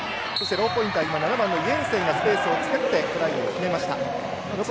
ローポインター７番のイエンセンがスペースを作ってトライを決めました。